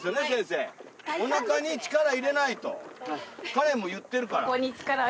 カレンも言ってるから。